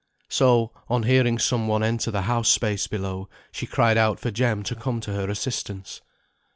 So, on hearing some one enter the house place below, she cried out for Jem to come to her assistance.